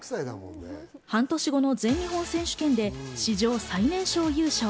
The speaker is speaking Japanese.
半年後の全日本選手権で史上最年少優勝。